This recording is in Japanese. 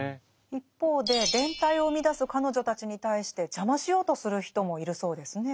一方で連帯を生み出す彼女たちに対して邪魔しようとする人もいるそうですね。